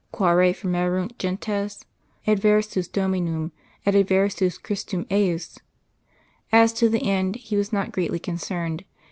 Quare fremuerunt gentes?... Adversus Dominum, et adversus Christum ejus! As to the end he was not greatly concerned.